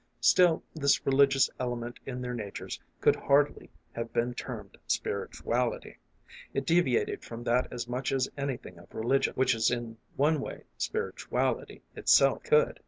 Still this religious element in their natures could hardly have 212 A FAR AWAY MELODY. been termed spirituality. It deviated from that as much as anything of religion which is in one way spirituality itself could.